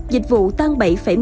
dịch vụ tăng bảy một mươi sáu